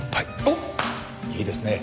おっいいですね。